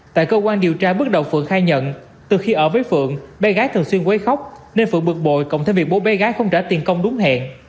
tại cơ quan điều tra bước đầu phượng khai nhận từ khi ở với phượng bé gái thường xuyên quấy khóc nên phượng bực bội cộng thêm việc bố bé gái không trả tiền công đúng hẹn